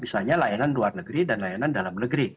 misalnya layanan luar negeri dan layanan dalam negeri